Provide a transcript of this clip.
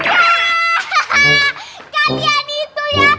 kalian itu ya